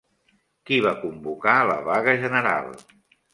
Qui va convocar la vaga general?